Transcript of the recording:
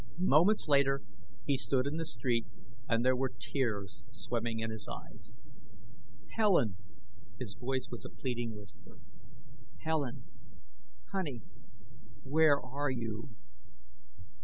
Moments later he stood in the street and there were tears swimming in his eyes. "Helen!" His voice was a pleading whisper. "Helen, honey, where are you?"